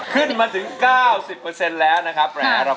ขึ้นมาถึง๙๐แล้วนะครับ